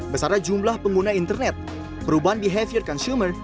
besarnya jumlah pengguna internet perubahan behavior consumer